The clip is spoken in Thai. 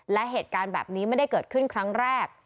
และเหตุการณ์แบบนี้ไม่ได้เกิดขึ้นครั้งแรก